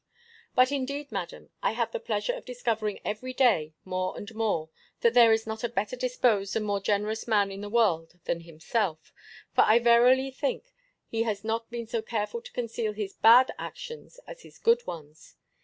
But, indeed. Madam, I have the pleasure of discovering every day more and more, that there is not a better disposed and more generous man in the world than himself, for I verily think he has not been so careful to conceal his bad actions as his good ones.